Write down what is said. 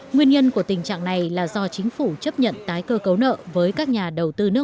nguyên nhân của tình trạng này là do chính phủ chấp nhận tái cơ cấu nợ với các nhà đầu tư nước